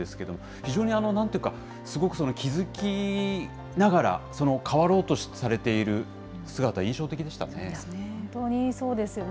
非常になんというか、すごく気付きながら、変わろうとされている姿、そうですね。